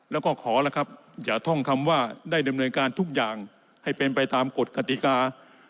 แล้วก็ขอละครับอย่าท่องคำว่าได้ดำเนินการทุกอย่างให้เป็นไปตามกฎกติกา